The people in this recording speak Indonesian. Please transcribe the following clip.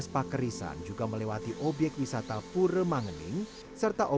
lebih enak cara dipelajari meng elijah serta urut pembelajaran abadi wij mysterio